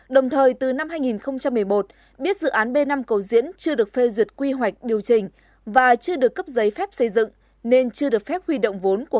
đồng thời từ năm hai nghìn một mươi một biết dự án b năm cầu diễn chưa được phê duyệt quy hoạch điều chỉnh và chưa được cấp giấy phép xây dựng nên chưa được phép huy động vốn